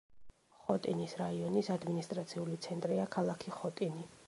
ხოტინის რაიონის ადმინისტრაციული ცენტრია ქალაქი ხოტინი.